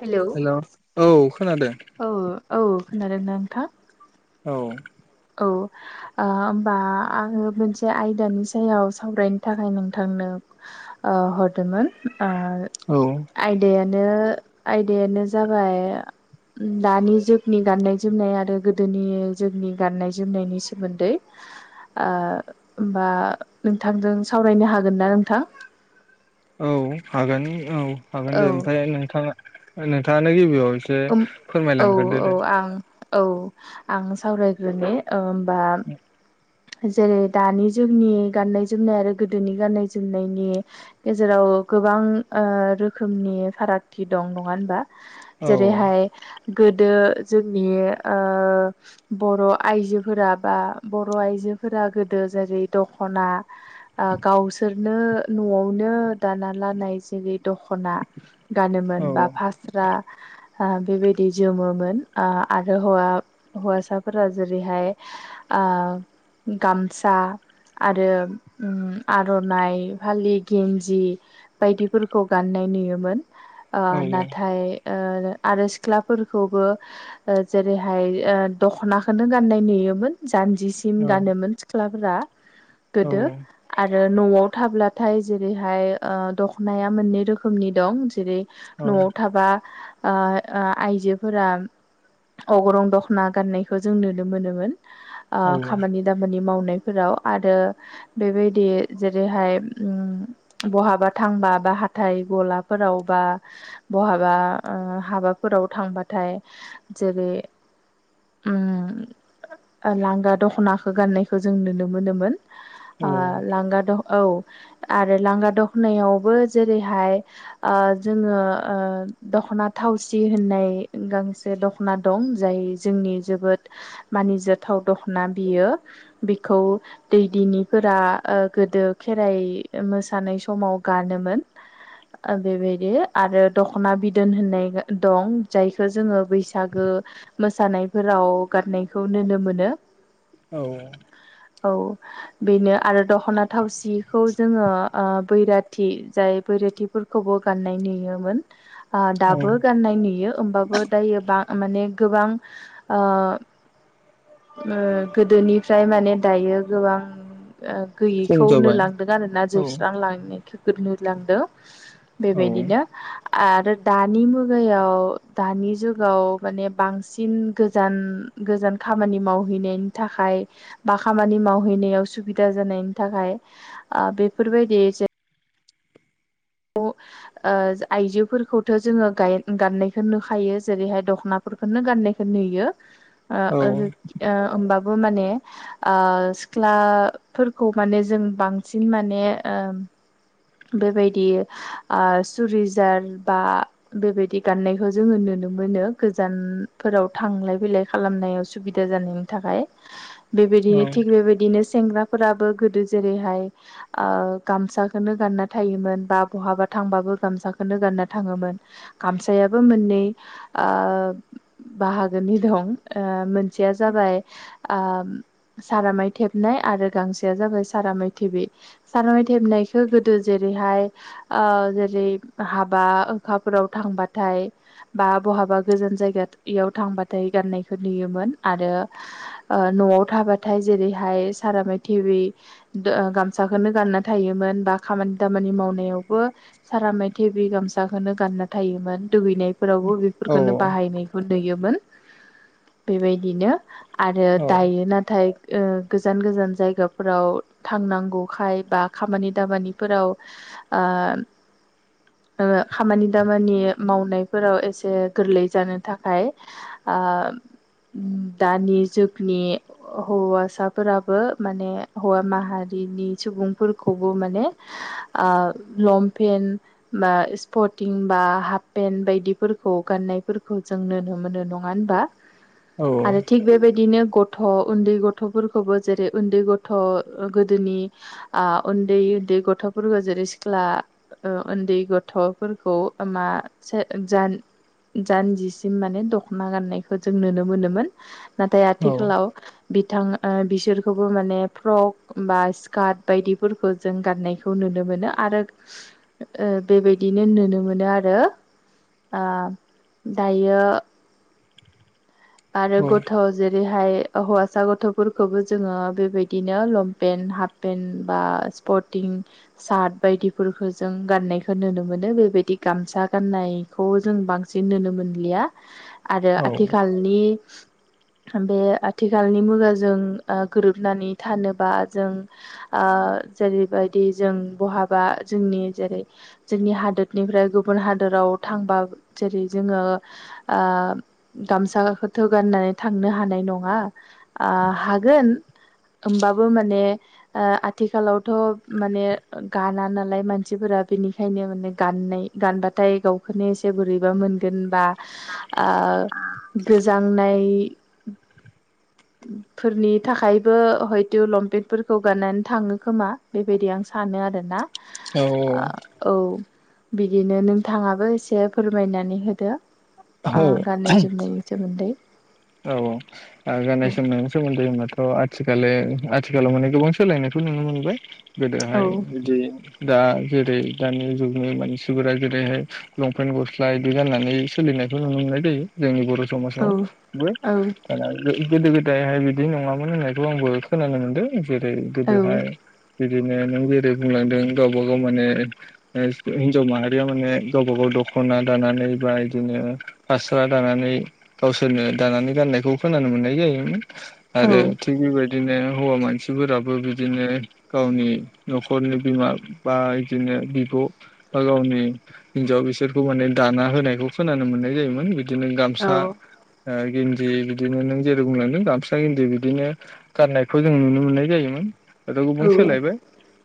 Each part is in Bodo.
हेलौ औ खोनादों औ औ खोनादोंना नोंथां औ औ ओ होमबा आङो मोनसे आयदानि सायाव सावरायनो थाखाय नोंथांनो ओ हरदोंमोन औ आयदाया बेनो आयदायानो जाबाय दानि जुगनि गाननाय जोमनाय आरो गोदोनि जुगनि गाननाय जोमनायनि सोमोन्दै ओ होमबा नोंथांजों सावरायनो हागोन ना नोंथां औ हागोन औ हागोन औ दे ओमफ्राय नोंथाङा नोंथाङानो गिबियाव एसे ओम औ फोरमायलांग्रोदो औ दे आं औ आं सावरायग्रोनि ओ होमबा जेरै दानि जुगनि गाननाय जोमनाय आरो गोदोनि गाननाय जोमनायनि गेजेराव औ गोबां ओ रोखोमनि फारागथि दं नङा होनबा औ जेरैहाय गोदो जोंनि ओ बर आइजोफोरा बा बर आइजो आजोफोरा गोदो जेरै दखना ओ गावसोरनो नआवनो दा दाना लानाय जेरै दखना औ गानोमोन बा फास्रा बेबायदि जोमोमोन ओ आरो हौवा हौवासाफोरा जेरैहाय ओ गामसा आरो आरनाइ फालि गिन्जि बायदिफोरखौ गाननाय नुयोमोन ओ औ नाथाय ओ आरो सिख्लाफोरखौबो जेरैहाय दखनाखौनो गाननाय नुयोमोन जानजिसिम औ गानोमोन सिख्लाफोरा औ गोदो आरो आरो नआव थाब्लाथाय जेरैहाय दखनाया मोननै रोखोमनि दं जेरै औ नआव थाबा आइजोफोरा अगरं दखना गाननायखौ जों नुनो मोनोमोन ओ खामानि दामानि मावनो नाय फोराव आरो बेबायदि जेरैहाय उम बहाबा थांबा हाथाय गलाफोराव बा बहाबा हाबाफोराव थांबाथाय जेरै उम लांगा दखनाखौ गाननायखौ जों नुनो मोनोमोन औ ओ लांगा द औ आरो लांगा दखनायावबो जेरैहाय ओ जोंङो ओ दखना थावसि होननाय गांसे दखना दं जाय जोंनि जोबोद मानि जाथाव दखना बियो बेखौ दैदिनिफोरा ओ गोदो खेराइ खेराइ मोसानाय समाव गानोमोन बेबायदि आरो दखना बि दोन होननाय दं जायखौ जोंङो बैसागो मोसानायफोराव गानायखौ नु नुनो मोनो औ औ बेनो आरो दखना थावसिखौ जोंङो ओ बैराथि जाय बैराथिफोरखौबो गाननाय नुयोमोन ओ औ दाबो गाननाय नुयो होमबाबो दायो बा माने गोबां ओ ओ गोदोनिफ्राय माने दायो गोबां सम गैयिखौ जाबाय नुलांदों आरो ना औ जोबस्रां लांनायखौ नु लांदों औ बेबायदिनो आरो दानि मुगायाव दानि जुगाव माने बांसिन गोजान गोजान खामानि मावहैनायनि थाखाय बा खामानि मावहैनायाव सुबिदा जानायनि थाखाय बेफोरबायदि जै ओ आइजोफोरखौथ जोंङो गाननायखौ नुखायो जेरैहाय दखनाफोरखौ गानाखौ नुयो औ ओ [inaudible] माने ओ सिख्लाफोरखौ माने जों बांसिन माने ओ बेबायदि सुरिजार बा बेबायदि गाननायखौ जोंङो नुनो नुनो मोनो गोजानफोराव थांलाय फैलाय खालामनायाव सुबिदा जानायनि थाखाय बेबायदिनो थिग बेबायदिनो सेंग्राफोराबो गोदो जेरैहाय ओ गामसाखौनो गानना थायोमोन बा बहाबा थांबाबो गामसाखौनो गानना थाङोमोन गामसायाबो मोननै ओ बाहागोनि दं मोनसेया जाबाय ओ सारामाय थेबनाय आरो गांसेआ जाबाय सार माइ थेबि सारामाय थेबनायखौ दो जेरैहाय ओ जेरै हाबा हुखाफोराव थांबाथाय बा बहाबा गोजान जायगायाव थांबाथाय गाननायखौ नुयोमोन आरो ओ न'आव थाबाथाय जेरैहाय सारामे टिभि ओ गामसाखौनो गानना थायोमोन बा खामानि दामानि मावनायावबो सारा मेथे बे गामसाखौनो गानना थायोमोन। दुगैनायफोरावबो औ बेफोरखौनो बाहायनायखौ नुयोमोन। बेबायदिनो आरो औ दायो नाथाय ओ गोजान गोजान जायगाफोराव थांनांगौखाय बा खामानि दामानि फोराव ओ ओ खामानि दामानि मावनायफोराव एसे गोरलै जानो थाखाय ओ दानि जुगनि हौवासाफोराबो माने हौवा माहारि बिनि सुबुंफोरखौबो माने ओ लंपेेनट बा स्पटिं बा हाफ पेन्ट बायदिफोरखौ गान नाय फोरखौ जों नुनो मोनो नङा होनबा आरो थिक बेबायदिनो गथ' उन्दै गथ'फोरखौबो जेरै उन्दै गथ' गोदोनि ओ उन्दै उन्दै गथ' गथ'फोरखौ जेरै सिख्ला ओ‌ उन्दै गथ'फोरखौ मा जे जानजिसिम माने दख'ना गाननायखौ जों नुनो मोनोमोन। नाथाय आथिखालाव बिथां बिसोरखौबो माने फ्रब बा स्कार्ट बायदिफोरखौ जों गाननाय खौ नुनो मोनो आरो ओ बेबायदिनो नुनो मोनो आरो। ओ दायो आरो गथ' जेरै नाथाय हौवासा गथ'फोरखौबो जोङो बेबायदिनो लंपेन्ट हाफ पेन्ट बा स्पट पटिं सार्ट बायदिफोरखौ जों गान्नायखौ नुनो मोनो बेबायदि गामसा गान्नाय खौ जों बांसिन नुनो मोनलिया आरो आथिखालनि बे आथिखालनि मुगाजों ओ गोरोबनानै थानोबा जों ओ ओ जेरैबायदि जों बहाबा जोंनि जेरै जोंनि हादोरनिफ्राय गुबुन हादोर फोराव थांबा जेरै जोङो गामसा बोथ' गाननानै थांनो हानाय नङा। ओ हागोन ओमबाबो माने ओ आथिखालावथ' माने गाना नालाय मानसिफोरा बेनिखायनो माने गान नाय गानबाथाय गावखौनो एसे बोरैबा मोनगोन बा ओ नाय फोरनि थाखायबो हयथ' लंपेन्टफोरखौ गाननानै थाङो खोमा। बेबायदि आं सानो आरोना औ ओ औ बिदिनो नोंथाङाबो एसे फोरमायनानै होदो ओ औ गाननाय जोमनायनि सोमोन्दै औ औ गाननाय जोमनायनायनि सोमोन्दो होमबाथ' आथिखाले आथिखालाव माने गोबां सोलायनायखौ नुनो मोनबाय औ गोदोहाय बिदि दा जेरै दानि जुगनि मानसिफोरा जेरैहाय लंपेन्ट गस्ला बिदि गाननानै सोलि नायखौ नुनो मोननाय जायो जोंनि बर' औ समाजावबो औ गोदो गोदायहाय बिदि नङामोन होननायखौ आंबो खोनानो मोनदों जेरै गोदोहाय बिदिनो नों जेरै बुंलांदों गावबा गाव माने हिनजाव माहारिया माने गावबा गाव दख'ना दानानै बा बिदिनो फास्रा दानानै गावसोरनो दानानै गाननायखौ खोनानो मोननाय जायोमोन औ आरो थिग बेबायदि बिदिनो हौवा मानसिफोराबो बिदिनो गावनि न'खरनि बिमा बा बिदिनो बिब' बा गावनि हिनजाव बिसोरखौ माने दाना होनायखौ खोनानो मोननाय जायोमोन बि दिनो औ गामसा गेन्दि बिदिनो नों जेरै बुंलांदों गामसा गेन्दि बिदिनो गाननायखौ जों नुनो मोननाय जायोमोन। दाथ' गोबां औ सोलायबाय।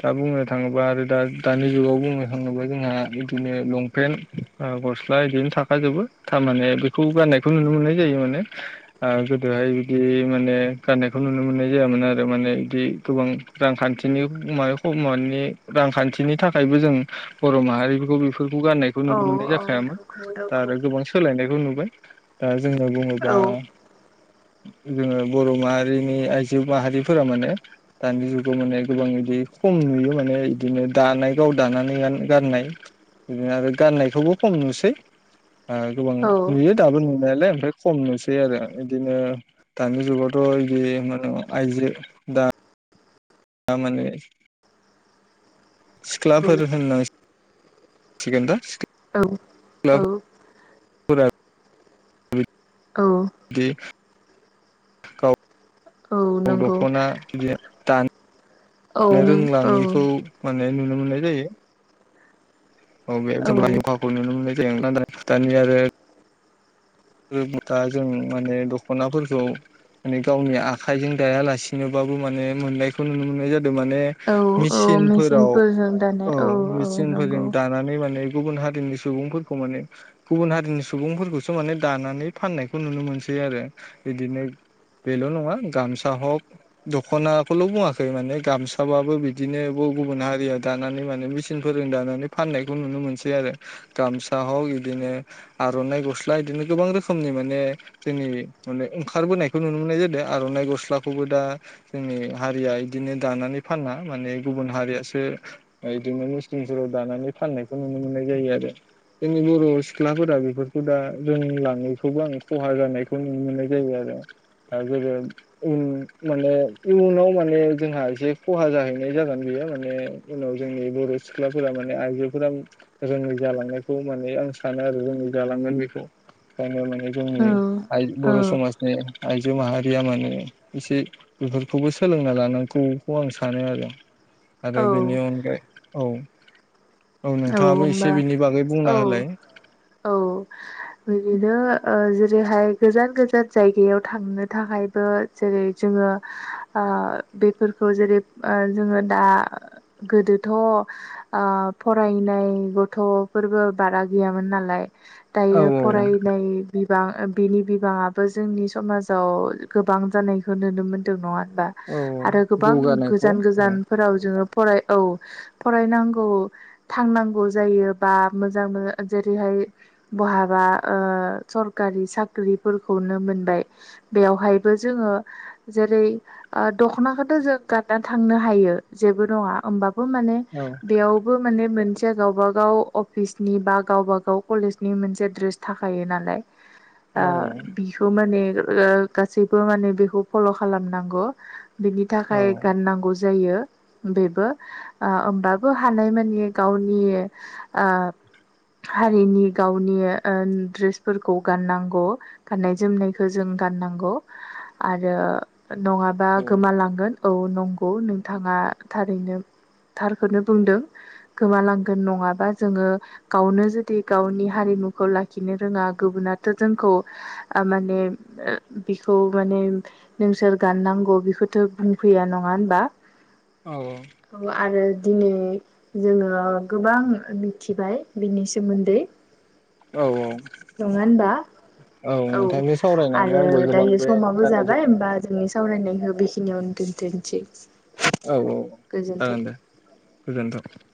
दा बुंनो थाङोब्ला आरो दा दानि जुगाव बुंनो थाङोब्ला जोंहा बिदिनो लंपेन्ट ओ‌ ग स्ला बिदिनो थाखाजोबो थारमाने बेखौ गाननायखौ नुनो मोननाय जायो माने ओ गोदोहाय बिदि माने गाननायखौ नुनो मोननाय जायामोन आरो माने बिदि गोबां रांखान्थिनि माबाखौ मानि रांखान्थिनि थाखायबो जों बर' माहारिफोरखौ फोरखौ गान्नायखौ नंगौ नुनो मोननाय जाखायामोन दा आरो नंगौ गोबां सोलायनायखौ नुबाय दा जोङो बुङोबा जोङो बर' माहारिनि आइजो माहारिफोरा माने दानि जुगाव माने गोबां बिदि खम नुयो माने इदिनो दानाय गाव दानानै गान गाननाय बिदिनो आरो गाननायखौबो खम नुसै ओ गोबां नुयो दाबो नुनायालाय। ओमफ्राय खम नुसै आरो इदिनो दानि जुगावथ' इदि मा होनो आइजो दा थारमाने औ सिख्लाफोर होननां सिगोनदा औ औ फोरा औ गाव औ नंगौ दखना बिदि दानो औ नो औ रोंलाङिखौ माने नुनो मोननाय जायो। औ बे [unintelligible] नुनो मोननाय जाया लान्दां खोथानि आरो बथा जों माने दखनाफोरखौ माने गावनि आखाइजों दायालासिनो बा बो मोननायखौ नुनो मोननाय जाद माने औ औ मिसिनफोराव मेचिनफोरजों दानाय औ औ मिसिनफोरजों नंगौ दानानै माने गुबुन हारिनि सुबुंफोरखौ माने गुबुन हारिनि सुबुंफोरखौसो माने दानानै फाननायखौ नुनो मोनसै आरो बिदिनो बेल नङा गामसा हक दखनाखौल‌ बुङाखै माने गामसाबाबो बिदिनो गुबुन हारिया दानानै माने मिसिनफोरजों दानानै फाननायखौ नुनो मोनसै आरो गामसा हक बिदिनो आरनाइ गस्ला बिदिनो गोबां रोखोमनि माने जोंनि माने ओंखारबोनायखौ नुनो मोननाय जादों आर नाइ गस्लाखौबो दा जोंनि हारिया इदिनो दानानै फाना माने गुबुन हारियासो इदिनो मिसि जों दानानै फाननायखौ नुनो मोननाय जायो आरो जोंनि बर सिख्लाफोरा बेफोरखौ दा रोंलाङैखौबो आं खहा जानायखौ नुनो मोननाय जायो आरो दा जेरै उन माने इयुनाव माने जोंहा एसे खहा जाहैनाय जागोन बेयो माने उनाव जोंनि बर सिख्लाफोरा माने आइजोफोरा रोङै जालांनायखौ माने आं सानो आरो रोङै जालांगोन बेखौ। माने औ जोंनि आइ बर औ समाजनि आइ जो माहारिया माने एसे बेफोरखौबो सोलोंना लानांगौखौ आं सानो आरो। औ आरो बेनि अनगायै औ औ नोंथाङाबो एसे होनबा बिनि बागै बुंना औ होलाय औ। बिदिनो ओ जेरैहाय गोजान गोजा जायगायाव थांनो थाखायबो जेरै जोङो ओ बेफोरखौ जेरै ओ जोङो दा गोदोथ आ फरायनाय गथफोरबो बारा गैयामोन नालाय औ दायो फरायनाय बिबां बिनि बिबाङाबो जोंनि समाजाव गोबां जानायखौ नुनो मोनदों नङा होनबा औ आरो गोबां जौगानायखौ गोजान औ गोजानफोराव जोङो फराय औ फरायनांगौ थांनांगौ जायो बा मोजां मोजां जेरैहाय बहाबा ओ सरखारि साख्रिफोरखौनो मोनबाय बेवहायबो जोङो जेरै ओ दखनाखौथ जों गाननानै थांनो हायो जेबो नङा होमबाबो माने औ बेयाव माने मोनसे गावबा गाव अफिसनि बा गावबा गाव कलेजनि मोनसे ड्रेस थाखायो नालाय। आ बिखौ माने ओ गासैबो माने बेखौ फल खालामनांगौ बिनि औ थाखाय गाननांगौ जा जायो बेबो ओ होमबाबो हानाय मानि गावनि ओ हारिनि गावनि ओ ड्रेसफोरखौ गाननांगौ गाननाय जोमनायखो जों गाननांगौ आरो। नङाबा गोमालांगोन औ नंगौ नोंथाङा थारैनो थारखोनो बुंदों। गोमालांगोन नङाबा जोङो गावनो जुदि गावनि हारिमुखौ लाखिनो रोङा गो बुनाथ जोंखौ माने बिखौ मान नोंसोर गाननांगौ बेखौथ बुंफैया नङा होनबा औ आरो दिनै जोङो गोबां मिथिबाय बिनि सोमोन्दै। औ नङा होनबा? औ नोंथांजों सावरायनानै आरो आंबो गोबां दायो बे समाबो गाननाय जाबाय जोमनाय होमबा जोंनि सावरायनायखौ बेखिनियावनो दोनथनिसै। औ औ जागोन दे गोजोनथों।